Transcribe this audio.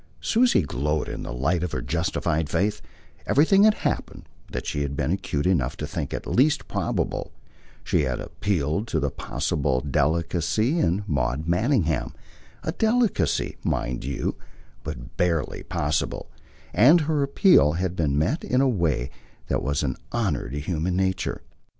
Susie glowed in the light of her justified faith; everything had happened that she had been acute enough to think least probable; she had appealed to a possible delicacy in Maud Manningham a delicacy, mind you, but BARELY possible and her appeal had been met in a way that was an honour to human nature.